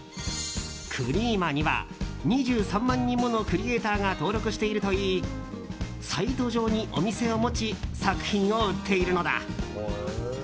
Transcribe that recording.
Ｃｒｅｅｍａには２３万人ものクリエーターが登録しているといいサイト上にお店を持ち作品を売っているのだ。